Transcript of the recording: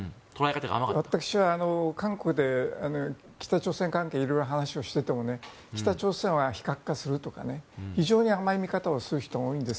私は韓国で北朝鮮関係色々、話をしていても北朝鮮は非核化するとか非常に甘い見方をする人が多いんです。